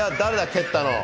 蹴ったの。